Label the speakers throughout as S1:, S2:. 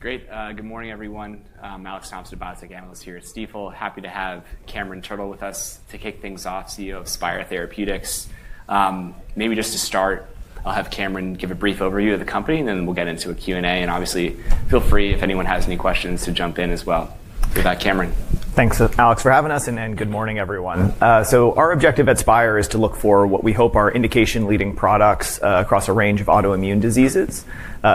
S1: Great. Good morning, everyone. I'm Alex Thomas, a biotech analyst here at Stifel. Happy to have Cameron Turtle with us to kick things off, CEO of Spyre Therapeutics. Maybe just to start, I'll have Cameron give a brief overview of the company, and then we'll get into a Q&A. Obviously, feel free, if anyone has any questions, to jump in as well. With that, Cameron.
S2: Thanks, Alex, for having us, and good morning, everyone. Our objective at Spyre is to look for what we hope are indication-leading products across a range of autoimmune diseases,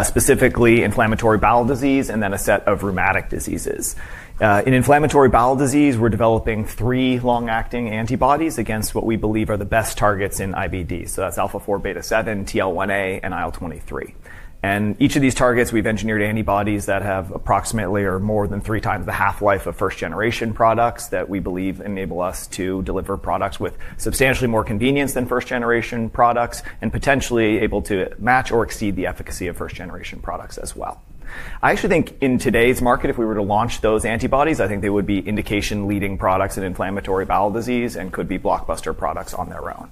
S2: specifically inflammatory bowel disease and then a set of rheumatic diseases. In inflammatory bowel disease, we're developing three long-acting antibodies against what we believe are the best targets in IBD. That's alpha-4 beta-7, TL1A, and IL-23. Each of these targets, we've engineered antibodies that have approximately or more than three times the half-life of first-generation products that we believe enable us to deliver products with substantially more convenience than first-generation products and potentially able to match or exceed the efficacy of first-generation products as well. I actually think in today's market, if we were to launch those antibodies, I think they would be indication-leading products in inflammatory bowel disease and could be blockbuster products on their own.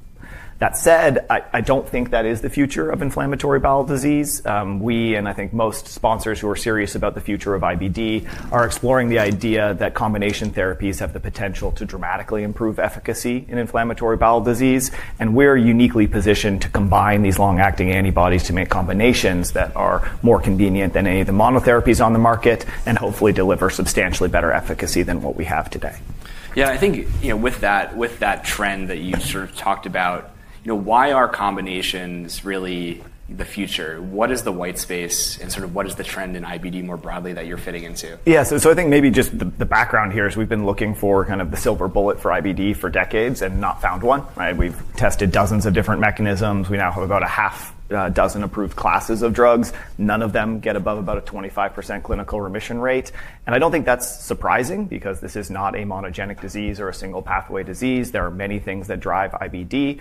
S2: That said, I don't think that is the future of inflammatory bowel disease. We, and I think most sponsors who are serious about the future of IBD, are exploring the idea that combination therapies have the potential to dramatically improve efficacy in inflammatory bowel disease. We are uniquely positioned to combine these long-acting antibodies to make combinations that are more convenient than any of the monotherapies on the market and hopefully deliver substantially better efficacy than what we have today.
S1: Yeah, I think with that trend that you sort of talked about, why are combinations really the future? What is the white space, and sort of what is the trend in IBD more broadly that you're fitting into?
S2: Yeah, so I think maybe just the background here is we've been looking for kind of the silver bullet for IBD for decades and not found one. We've tested dozens of different mechanisms. We now have about a half dozen approved classes of drugs. None of them get above about a 25% clinical remission rate. I don't think that's surprising because this is not a monogenic disease or a single pathway disease. There are many things that drive IBD.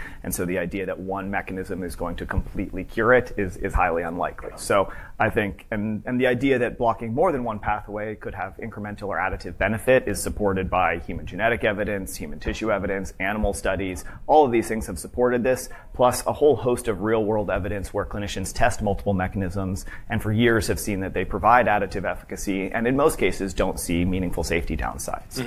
S2: The idea that one mechanism is going to completely cure it is highly unlikely. The idea that blocking more than one pathway could have incremental or additive benefit is supported by human genetic evidence, human tissue evidence, animal studies. All of these things have supported this, plus a whole host of real-world evidence where clinicians test multiple mechanisms and for years have seen that they provide additive efficacy and in most cases don't see meaningful safety downsides.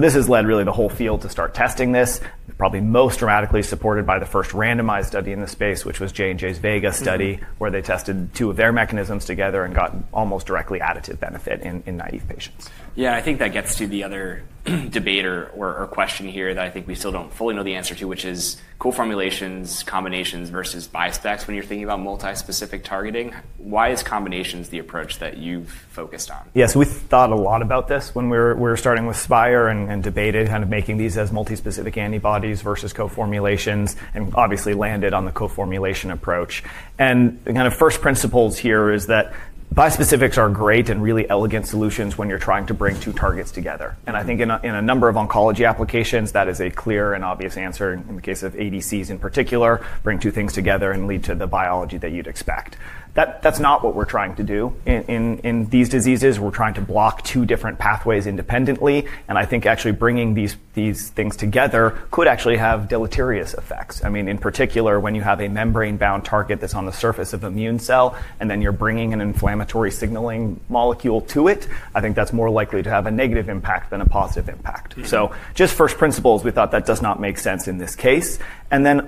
S2: This has led really the whole field to start testing this, probably most dramatically supported by the first randomized study in the space, which was J&J's Vega study, where they tested two of their mechanisms together and got almost directly additive benefit in naive patients.
S1: Yeah, I think that gets to the other debater or question here that I think we still do not fully know the answer to, which is co-formulations, combinations versus bi-specs when you are thinking about multi-specific targeting. Why is combinations the approach that you have focused on?
S2: Yeah, so we thought a lot about this when we were starting with Spyre and debated kind of making these as multi-specific antibodies versus co-formulations and obviously landed on the co-formulation approach. The kind of first principles here is that bi-specifics are great and really elegant solutions when you're trying to bring two targets together. I think in a number of oncology applications, that is a clear and obvious answer. In the case of ADCs in particular, bring two things together and lead to the biology that you'd expect. That's not what we're trying to do in these diseases. We're trying to block two different pathways independently. I think actually bringing these things together could actually have deleterious effects. I mean, in particular, when you have a membrane-bound target that's on the surface of immune cell and then you're bringing an inflammatory signaling molecule to it, I think that's more likely to have a negative impact than a positive impact. Just first principles, we thought that does not make sense in this case.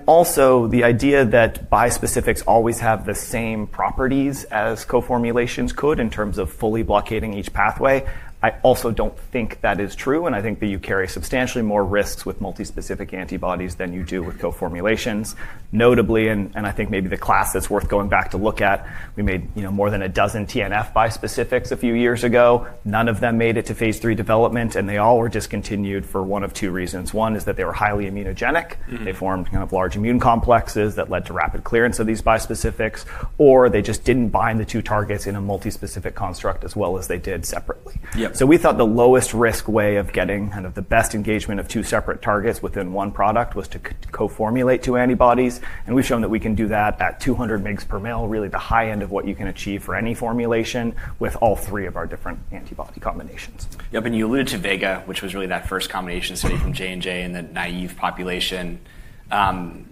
S2: Also, the idea that bi-specifics always have the same properties as co-formulations could in terms of fully blockading each pathway, I also don't think that is true. I think that you carry substantially more risks with multi-specific antibodies than you do with co-formulations. Notably, and I think maybe the class that's worth going back to look at, we made more than a dozen TNF bi-specifics a few years ago. None of them made it to phase III development, and they all were discontinued for one of two reasons. One is that they were highly immunogenic. They formed kind of large immune complexes that led to rapid clearance of these bi-specifics, or they just didn't bind the two targets in a multi-specific construct as well as they did separately. We thought the lowest risk way of getting kind of the best engagement of two separate targets within one product was to co-formulate two antibodies. We've shown that we can do that at 200 mg/mL, really the high end of what you can achieve for any formulation with all three of our different antibody combinations.
S1: Yeah, and you alluded to Vega, which was really that first combination study from J&J in the naive population. Can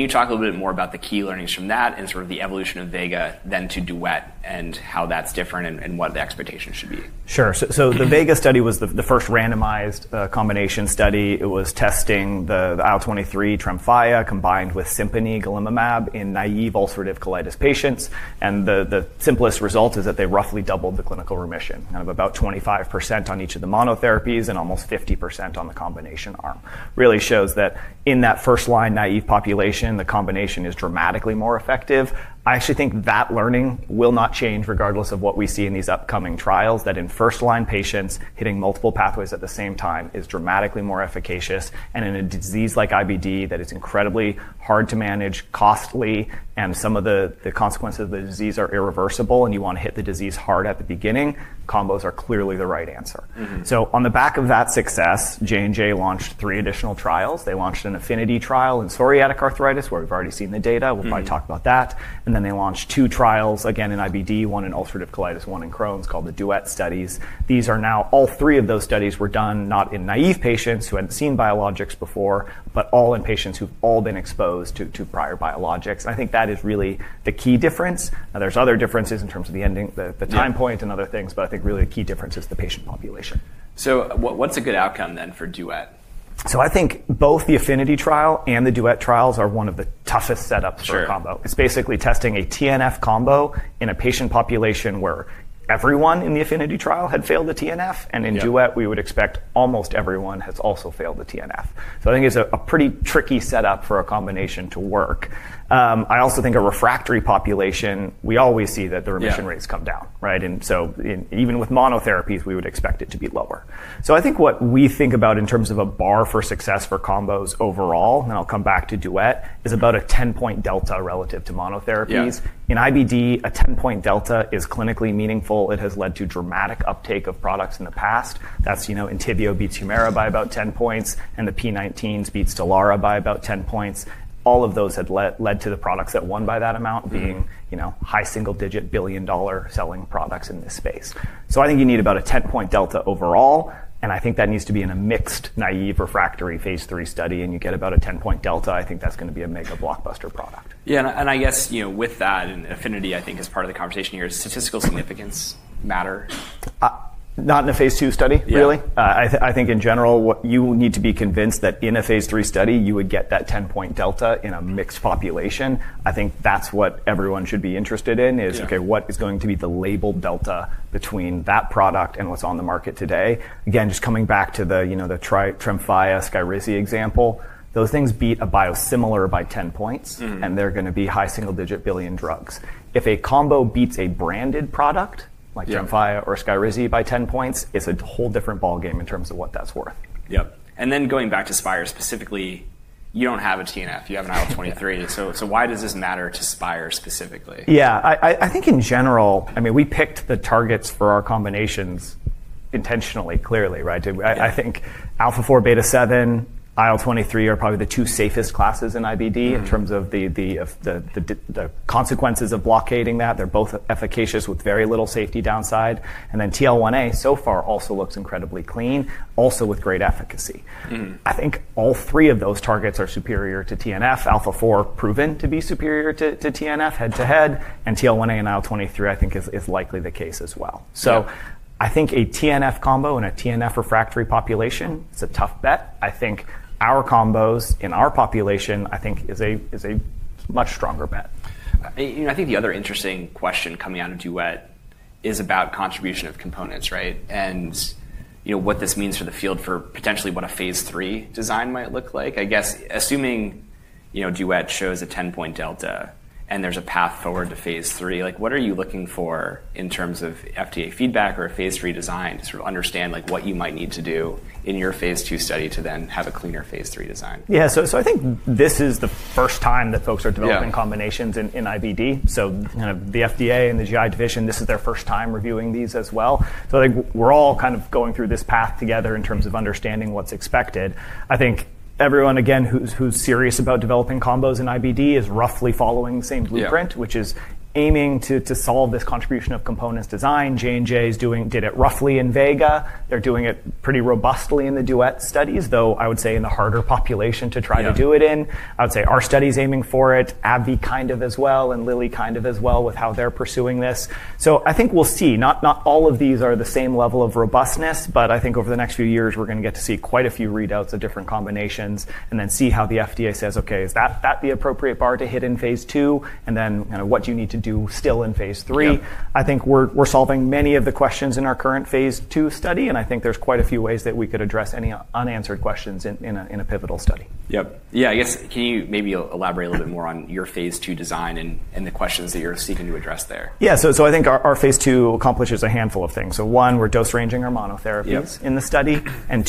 S1: you talk a little bit more about the key learnings from that and sort of the evolution of Vega then to Duet and how that's different and what the expectation should be?
S2: Sure. The Vega study was the first randomized combination study. It was testing the IL-23 TREMFYA combined with SIMPONI golimumab in naive ulcerative colitis patients. The simplest result is that they roughly doubled the clinical remission, kind of about 25% on each of the monotherapies and almost 50% on the combination arm. It really shows that in that first-line naive population, the combination is dramatically more effective. I actually think that learning will not change regardless of what we see in these upcoming trials, that in first-line patients hitting multiple pathways at the same time is dramatically more efficacious. In a disease like IBD that is incredibly hard to manage, costly, and some of the consequences of the disease are irreversible and you want to hit the disease hard at the beginning, combos are clearly the right answer. On the back of that success, J&J launched three additional trials. They launched an Affinity trial in psoriatic arthritis, where we've already seen the data. We'll probably talk about that. They launched two trials again in IBD, one in ulcerative colitis, one in Crohn's, called the Duet studies. All three of those studies were done not in naive patients who hadn't seen biologics before, but all in patients who've all been exposed to prior biologics. I think that is really the key difference. There are other differences in terms of the ending, the time point, and other things, but I think really the key difference is the patient population.
S1: What's a good outcome then for Duet?
S2: I think both the Affinity trial and the Duet trials are one of the toughest setups for combo. It's basically testing a TNF combo in a patient population where everyone in the Affinity trial had failed the TNF. In Duet, we would expect almost everyone has also failed the TNF. I think it's a pretty tricky setup for a combination to work. I also think a refractory population, we always see that the remission rates come down. Even with monotherapies, we would expect it to be lower. I think what we think about in terms of a bar for success for combos overall, and I'll come back to Duet, is about a 10-point delta relative to monotherapies. In IBD, a 10-point delta is clinically meaningful. It has led to dramatic uptake of products in the past. That's ENTYVIO beats HUMIRA by about 10 points, and the P19s beats STELARA by about 10 points. All of those had led to the products that won by that amount being high single-digit billion-dollar selling products in this space. I think you need about a 10-point delta overall. I think that needs to be in a mixed naive refractory phase III study. You get about a 10-point delta. I think that's going to be a mega blockbuster product.
S1: Yeah, and I guess with that, and Affinity I think is part of the conversation here, is statistical significance matter?
S2: Not in a phase II study, really. I think in general, you need to be convinced that in a phase III study, you would get that 10-point delta in a mixed population. I think that's what everyone should be interested in is, OK, what is going to be the labeled delta between that product and what's on the market today? Again, just coming back to the TREMFYA, SKYRIZI example, those things beat a biosimilar by 10 points, and they're going to be high single-digit billion drugs. If a combo beats a branded product like TREMFYA or SKYRIZI by 10 points, it's a whole different ballgame in terms of what that's worth.
S1: Yep. Going back to Spyre specifically, you do not have a TNF. You have an IL-23. Why does this matter to Spyre specifically?
S2: Yeah, I think in general, I mean, we picked the targets for our combinations intentionally, clearly. I think alpha-4 beta-7, IL-23 are probably the two safest classes in IBD in terms of the consequences of blockading that. They're both efficacious with very little safety downside. And then TL1A so far also looks incredibly clean, also with great efficacy. I think all three of those targets are superior to TNF. Alpha-4 proven to be superior to TNF head-to-head. And TL1A and IL-23, I think, is likely the case as well. I think a TNF combo in a TNF refractory population, it's a tough bet. I think our combos in our population, I think, is a much stronger bet.
S1: I think the other interesting question coming out of Duet is about contribution of components, right? What this means for the field for potentially what a phase III design might look like. I guess assuming Duet shows a 10-point delta and there's a path forward to phase III, what are you looking for in terms of FDA feedback or a phase III design to sort of understand what you might need to do in your phase II study to then have a cleaner phase III design?
S2: Yeah, so I think this is the first time that folks are developing combinations in IBD. Kind of the FDA and the GI division, this is their first time reviewing these as well. I think we're all kind of going through this path together in terms of understanding what's expected. I think everyone, again, who's serious about developing combos in IBD is roughly following the same blueprint, which is aiming to solve this contribution of components design. J&J did it roughly in Vega. They're doing it pretty robustly in the Duet studies, though I would say in the harder population to try to do it in. I would say our study is aiming for it. AbbVie kind of as well and Lilly kind of as well with how they're pursuing this. I think we'll see. Not all of these are the same level of robustness, but I think over the next few years, we're going to get to see quite a few readouts of different combinations and then see how the FDA says, OK, is that the appropriate bar to hit in phase II? I think we're solving many of the questions in our current phase II study. I think there's quite a few ways that we could address any unanswered questions in a pivotal study.
S1: Yep. Yeah, I guess can you maybe elaborate a little bit more on your phase II design and the questions that you're seeking to address there?
S2: Yeah, so I think our phase II accomplishes a handful of things. One, we're dose ranging our monotherapies in the study.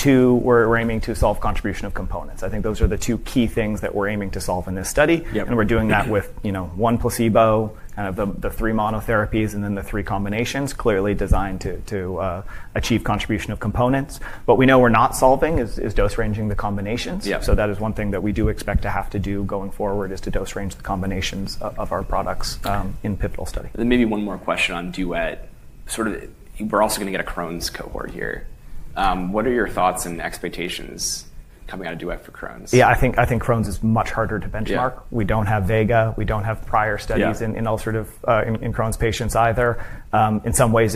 S2: Two, we're aiming to solve contribution of components. I think those are the two key things that we're aiming to solve in this study. We're doing that with one placebo, kind of the three monotherapies, and then the three combinations clearly designed to achieve contribution of components. What we know we're not solving is dose ranging the combinations. That is one thing that we do expect to have to do going forward, to dose range the combinations of our products in pivotal study.
S1: Maybe one more question on Duet. Sort of we're also going to get a Crohn's cohort here. What are your thoughts and expectations coming out of Duet for Crohn's?
S2: Yeah, I think Crohn's is much harder to benchmark. We don't have Vega. We don't have prior studies in Crohn's patients either. In some ways,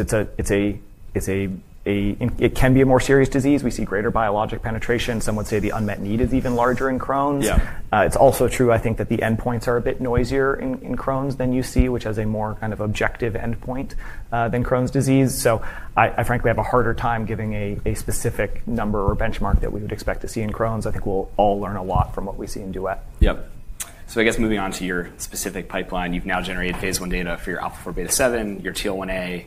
S2: it can be a more serious disease. We see greater biologic penetration. Some would say the unmet need is even larger in Crohn's. It's also true, I think, that the endpoints are a bit noisier in Crohn's than you see, which has a more kind of objective endpoint than Crohn's disease. I frankly have a harder time giving a specific number or benchmark that we would expect to see in Crohn's. I think we'll all learn a lot from what we see in Duet.
S1: Yep. I guess moving on to your specific pipeline, you've now generated phase I data for your alpha-4 beta-7, your TL1A,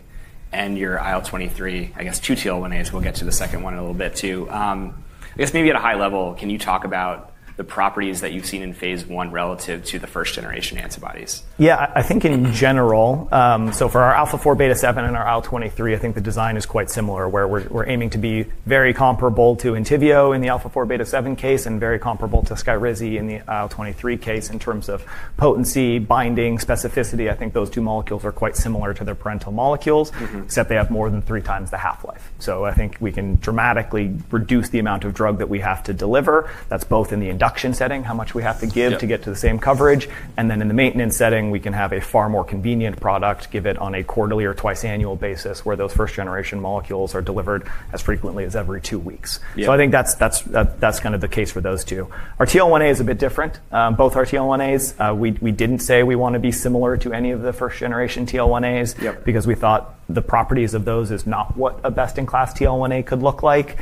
S1: and your IL-23. I guess two TL1As. We'll get to the second one in a little bit too. I guess maybe at a high level, can you talk about the properties that you've seen in phase I relative to the first-generation antibodies?
S2: Yeah, I think in general, so for our alpha-4 beta-7 and our IL-23, I think the design is quite similar where we're aiming to be very comparable to ENTYVIO in the alpha-4 beta-7 case and very comparable to SKYRIZI in the IL-23 case in terms of potency, binding, specificity. I think those two molecules are quite similar to their parental molecules, except they have more than three times the half-life. I think we can dramatically reduce the amount of drug that we have to deliver. That's both in the induction setting, how much we have to give to get to the same coverage. In the maintenance setting, we can have a far more convenient product, give it on a quarterly or twice-annual basis where those first-generation molecules are delivered as frequently as every two weeks. I think that's kind of the case for those two. Our TL1A is a bit different. Both our TL1As, we didn't say we want to be similar to any of the first generation TL1As because we thought the properties of those is not what a best-in-class TL1A could look like.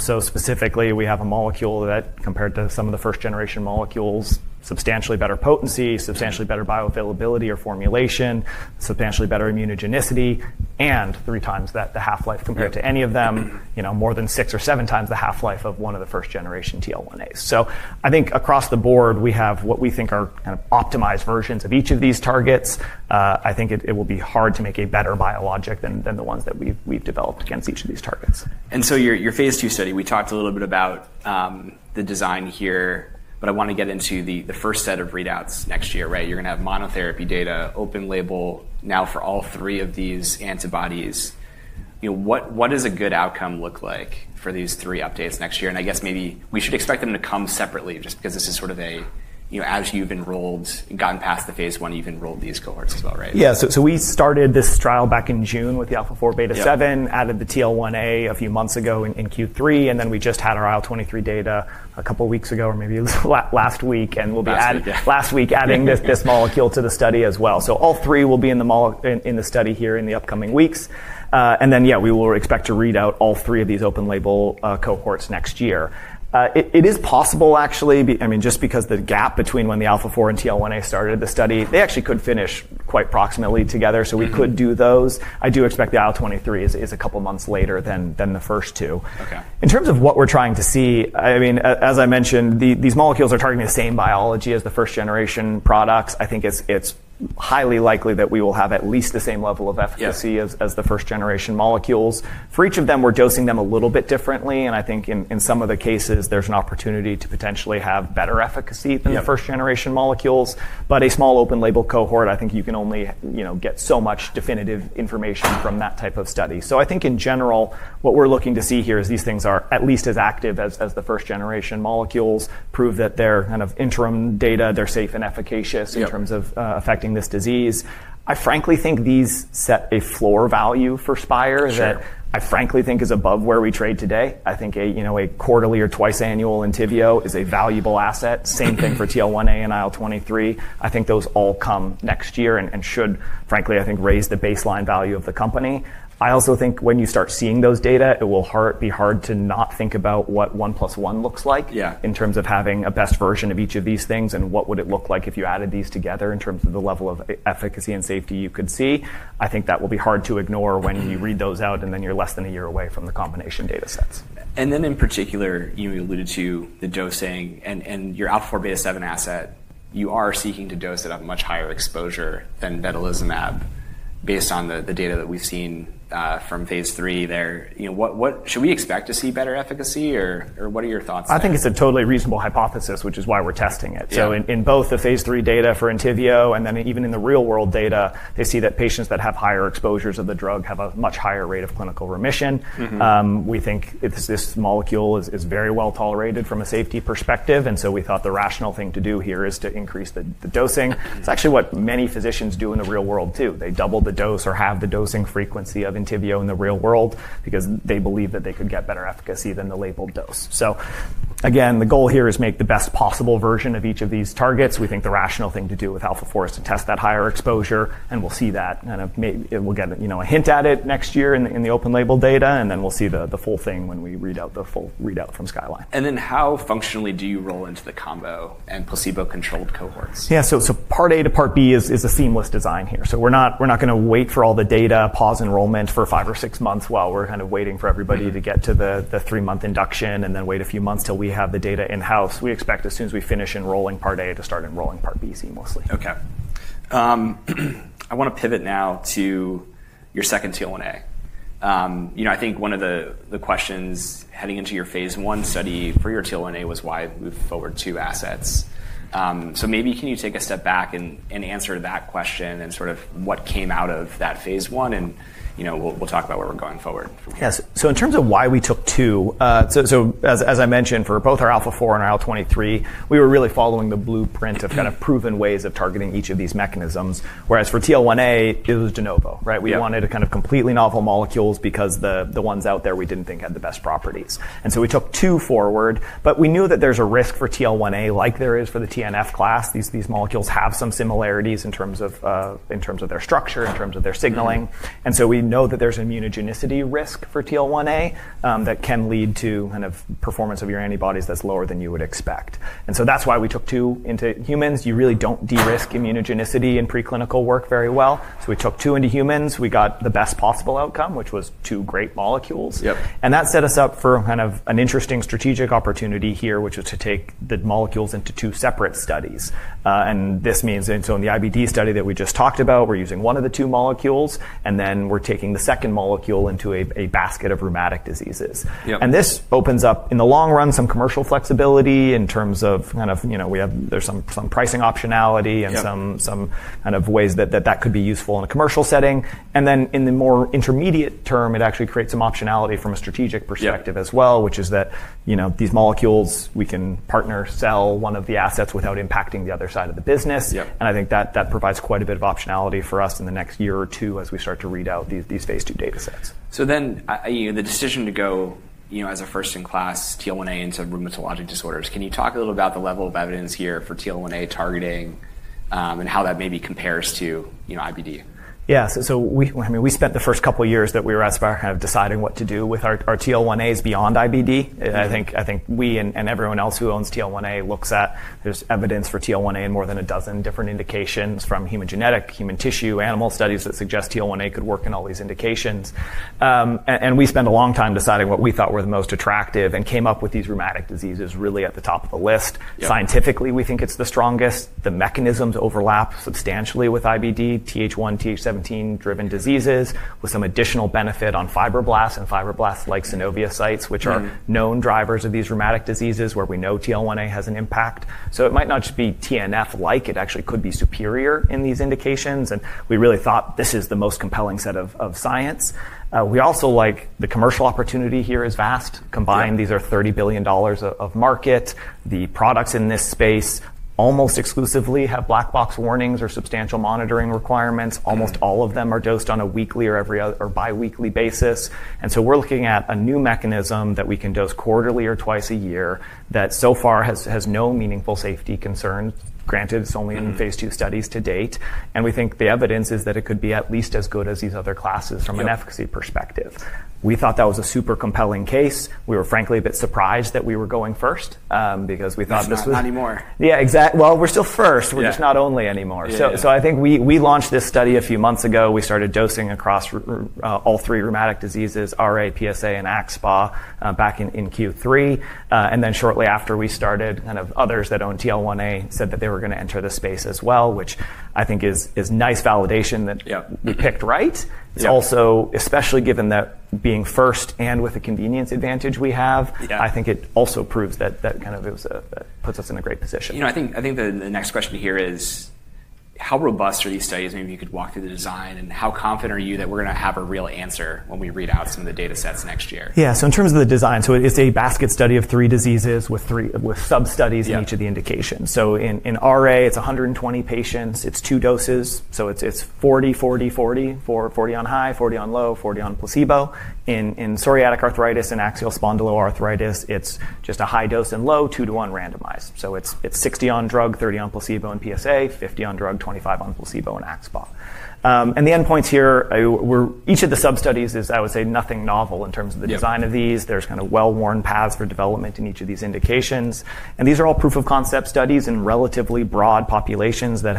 S2: Specifically, we have a molecule that compared to some of the first generation molecules, substantially better potency, substantially better bioavailability or formulation, substantially better immunogenicity, and three times the half-life compared to any of them, more than six or seven times the half-life of one of the first generation TL1As. I think across the board, we have what we think are kind of optimized versions of each of these targets. I think it will be hard to make a better biologic than the ones that we've developed against each of these targets.
S1: Your phase II study, we talked a little bit about the design here, but I want to get into the first set of readouts next year, right? You're going to have monotherapy data, open label now for all three of these antibodies. What does a good outcome look like for these three updates next year? I guess maybe we should expect them to come separately just because this is sort of a, as you've enrolled, gotten past the phase I, you've enrolled these cohorts as well, right?
S2: Yeah, so we started this trial back in June with the alpha-4 beta-7, added the TL1A a few months ago in Q3. Then we just had our IL-23 data a couple of weeks ago or maybe last week. We'll be adding this molecule to the study as well. All three will be in the study here in the upcoming weeks. Yeah, we will expect to read out all three of these open label cohorts next year. It is possible actually, I mean, just because the gap between when the alpha-4 and TL1A started the study, they actually could finish quite proximately together. We could do those. I do expect the IL-23 is a couple of months later than the first two. In terms of what we're trying to see, I mean, as I mentioned, these molecules are targeting the same biology as the first generation products. I think it's highly likely that we will have at least the same level of efficacy as the first generation molecules. For each of them, we're dosing them a little bit differently. I think in some of the cases, there's an opportunity to potentially have better efficacy than the first generation molecules. A small open label cohort, I think you can only get so much definitive information from that type of study. I think in general, what we're looking to see here is these things are at least as active as the first generation molecules, prove that their kind of interim data, they're safe and efficacious in terms of affecting this disease. I frankly think these set a floor value for Spyre that I frankly think is above where we trade today. I think a quarterly or twice-annual ENTYVIO is a valuable asset. Same thing for TL1A and IL-23. I think those all come next year and should frankly, I think, raise the baseline value of the company. I also think when you start seeing those data, it will be hard to not think about what one plus one looks like in terms of having a best version of each of these things and what would it look like if you added these together in terms of the level of efficacy and safety you could see. I think that will be hard to ignore when you read those out and then you're less than a year away from the combination data sets.
S1: You alluded to the dosing and your alpha-4 beta-7 asset. You are seeking to dose it at a much higher exposure than ENTYVIO based on the data that we've seen from phase III there. Should we expect to see better efficacy or what are your thoughts?
S2: I think it's a totally reasonable hypothesis, which is why we're testing it. In both the phase III data for ENTYVIO and then even in the real-world data, they see that patients that have higher exposures of the drug have a much higher rate of clinical remission. We think this molecule is very well tolerated from a safety perspective. We thought the rational thing to do here is to increase the dosing. It's actually what many physicians do in the real world too. They double the dose or have the dosing frequency of ENTYVIO in the real world because they believe that they could get better efficacy than the labeled dose. The goal here is to make the best possible version of each of these targets. We think the rational thing to do with alpha-4 is to test that higher exposure. We'll see that. It will get a hint at it next year in the open label data. We will see the full thing when we read out the full readout from SKYRIZI.
S1: How functionally do you roll into the combo and placebo-controlled cohorts?
S2: Yeah, so part A to part B is a seamless design here. We are not going to wait for all the data, pause enrollment for five or six months while we are kind of waiting for everybody to get to the three-month induction and then wait a few months till we have the data in-house. We expect as soon as we finish enrolling part A to start enrolling part B seamlessly.
S1: OK. I want to pivot now to your second TL1A. I think one of the questions heading into your phase I study for your TL1A was why move forward two assets. Maybe can you take a step back and answer that question and sort of what came out of that phase I? We'll talk about where we're going forward.
S2: Yes. In terms of why we took two, as I mentioned, for both our alpha-4 and our IL-23, we were really following the blueprint of kind of proven ways of targeting each of these mechanisms. Whereas for TL1A, it was de novo, right? We wanted to kind of completely novel molecules because the ones out there we did not think had the best properties. We took two forward. We knew that there is a risk for TL1A like there is for the TNF class. These molecules have some similarities in terms of their structure, in terms of their signaling. We know that there is an immunogenicity risk for TL1A that can lead to kind of performance of your antibodies that is lower than you would expect. That is why we took two into humans. You really do not de-risk immunogenicity in preclinical work very well. We took two into humans. We got the best possible outcome, which was two great molecules. That set us up for kind of an interesting strategic opportunity here, which was to take the molecules into two separate studies. This means in the IBD study that we just talked about, we're using one of the two molecules. Then we're taking the second molecule into a basket of rheumatic diseases. This opens up in the long run some commercial flexibility in terms of kind of there's some pricing optionality and some kind of ways that that could be useful in a commercial setting. In the more intermediate term, it actually creates some optionality from a strategic perspective as well, which is that these molecules, we can partner sell one of the assets without impacting the other side of the business. I think that provides quite a bit of optionality for us in the next year or two as we start to read out these phase II data sets.
S1: Then the decision to go as a first-in-class TL1A into rheumatologic disorders, can you talk a little about the level of evidence here for TL1A targeting and how that maybe compares to IBD?
S2: Yeah. So I mean, we spent the first couple of years that we were at Spyre kind of deciding what to do with our TL1As beyond IBD. I think we and everyone else who owns TL1A looks at there's evidence for TL1A in more than a dozen different indications from human genetic, human tissue, animal studies that suggest TL1A could work in all these indications. We spent a long time deciding what we thought were the most attractive and came up with these rheumatic diseases really at the top of the list. Scientifically, we think it's the strongest. The mechanisms overlap substantially with IBD, TH1, TH17-driven diseases with some additional benefit on fibroblasts and fibroblast-like synoviocytes, which are known drivers of these rheumatic diseases where we know TL1A has an impact. It might not just be TNF-like. It actually could be superior in these indications. We really thought this is the most compelling set of science. We also like the commercial opportunity here is vast. Combined, these are $30 billion of market. The products in this space almost exclusively have black box warnings or substantial monitoring requirements. Almost all of them are dosed on a weekly or biweekly basis. We are looking at a new mechanism that we can dose quarterly or twice a year that so far has no meaningful safety concerns. Granted, it's only in phase II studies to date. We think the evidence is that it could be at least as good as these other classes from an efficacy perspective. We thought that was a super compelling case. We were frankly a bit surprised that we were going first because we thought this was.
S1: We're still not anymore.
S2: Yeah, exactly. We're still first. We're just not only anymore. I think we launched this study a few months ago. We started dosing across all three rheumatic diseases, RA, PsA, and axSpA back in Q3. Shortly after we started, others that own TL1A said that they were going to enter the space as well, which I think is nice validation that we picked right. Especially given that being first and with the convenience advantage we have, I think it also proves that it puts us in a great position.
S1: I think the next question here is how robust are these studies? Maybe you could walk through the design. How confident are you that we're going to have a real answer when we read out some of the data sets next year?
S2: Yeah. In terms of the design, it's a basket study of three diseases with sub-studies in each of the indications. In RA, it's 120 patients. It's two doses. It's 40, 40, 40—40 on high, 40 on low, 40 on placebo. In psoriatic arthritis and axial spondyloarthritis, it's just a high dose and low, two to one randomized. It's 60 on drug, 30 on placebo in PSA, 50 on drug, 25 on placebo in axSpA. The end points here, each of the sub-studies is, I would say, nothing novel in terms of the design of these. There's kind of well-worn paths for development in each of these indications. These are all proof of concept studies in relatively broad populations that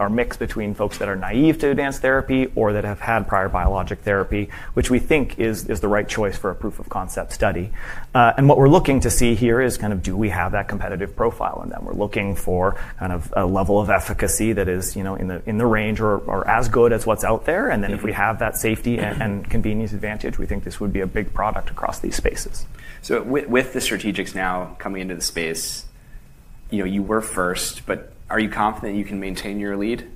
S2: are mixed between folks that are naive to advanced therapy or that have had prior biologic therapy, which we think is the right choice for a proof of concept study. What we're looking to see here is kind of do we have that competitive profile in them. We're looking for kind of a level of efficacy that is in the range or as good as what's out there. If we have that safety and convenience advantage, we think this would be a big product across these spaces.
S1: With the strategics now coming into the space, you were first, but are you confident you can maintain your lead?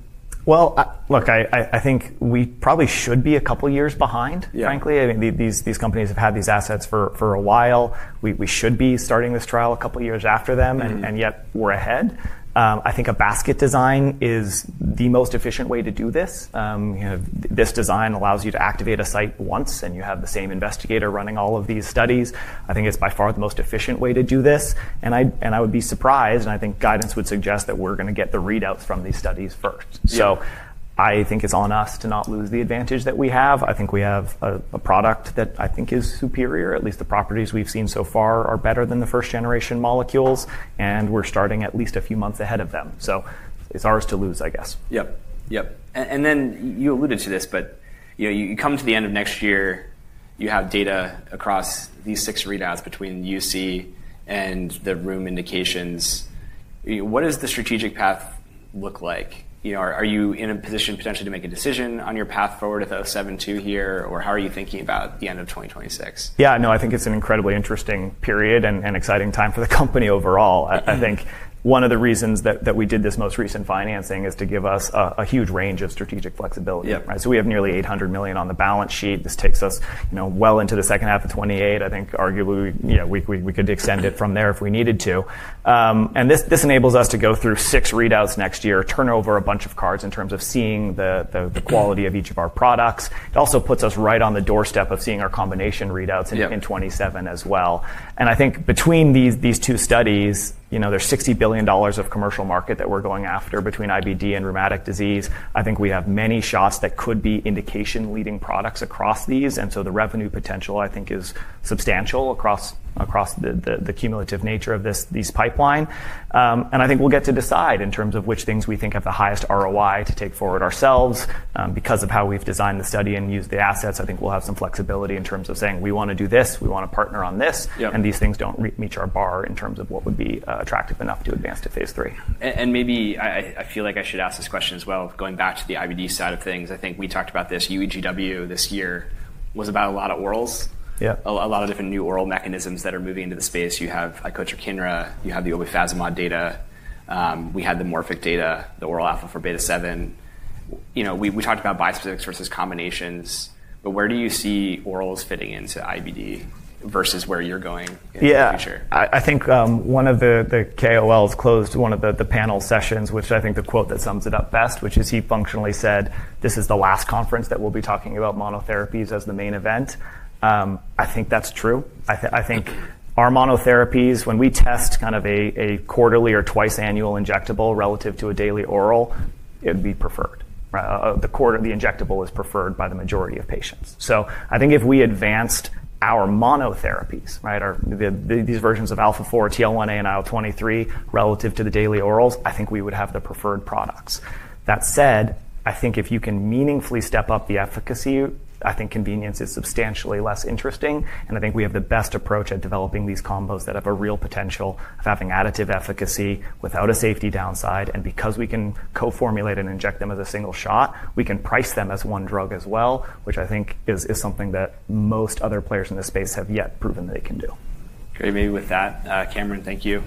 S2: I think we probably should be a couple of years behind, frankly. These companies have had these assets for a while. We should be starting this trial a couple of years after them. Yet we're ahead. I think a basket design is the most efficient way to do this. This design allows you to activate a site once and you have the same investigator running all of these studies. I think it's by far the most efficient way to do this. I would be surprised. I think guidance would suggest that we're going to get the readouts from these studies first. I think it's on us to not lose the advantage that we have. I think we have a product that I think is superior. At least the properties we've seen so far are better than the first generation molecules. We're starting at least a few months ahead of them. So it's ours to lose, I guess.
S1: Yep, yep. You alluded to this, but you come to the end of next year, you have data across these six readouts between U.C. and the rheum indications. What does the strategic path look like? Are you in a position potentially to make a decision on your path forward at O72 here? How are you thinking about the end of 2026?
S2: Yeah, no, I think it's an incredibly interesting period and exciting time for the company overall. I think one of the reasons that we did this most recent financing is to give us a huge range of strategic flexibility. We have nearly $800 million on the balance sheet. This takes us well into the second half of 2028. I think arguably we could extend it from there if we needed to. This enables us to go through six readouts next year, turn over a bunch of cards in terms of seeing the quality of each of our products. It also puts us right on the doorstep of seeing our combination readouts in 2027 as well. I think between these two studies, there's $60 billion of commercial market that we're going after between IBD and rheumatic disease. I think we have many shots that could be indication-leading products across these. The revenue potential, I think, is substantial across the cumulative nature of this pipeline. I think we'll get to decide in terms of which things we think have the highest ROI to take forward ourselves. Because of how we've designed the study and used the assets, I think we'll have some flexibility in terms of saying, we want to do this. We want to partner on this. These things do not meet our bar in terms of what would be attractive enough to advance to phase III.
S1: Maybe I feel like I should ask this question as well. Going back to the IBD side of things, I think we talked about this. UEGW this year was about a lot of orals, a lot of different new oral mechanisms that are moving into the space. You have ICOTR/KINRA. You have the Obefazimod data. We had the Morphic data, the oral alpha-4 beta-7. We talked about bispecifics versus combinations. Where do you see orals fitting into IBD versus where you're going in the future?
S2: Yeah. I think one of the KOLs closed one of the panel sessions, which I think the quote that sums it up best, which is he functionally said, this is the last conference that we'll be talking about monotherapies as the main event. I think that's true. I think our monotherapies, when we test kind of a quarterly or twice-annual injectable relative to a daily oral, it would be preferred. The injectable is preferred by the majority of patients. I think if we advanced our monotherapies, these versions of alpha-4, TL1A, and IL-23 relative to the daily orals, I think we would have the preferred products. That said, I think if you can meaningfully step up the efficacy, I think convenience is substantially less interesting. I think we have the best approach at developing these combos that have a real potential of having additive efficacy without a safety downside. Because we can co-formulate and inject them as a single shot, we can price them as one drug as well, which I think is something that most other players in this space have yet proven they can do.
S1: Great. Maybe with that, Cameron, thank you.